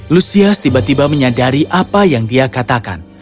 lusias tiba tiba menyadari apa yang dia katakan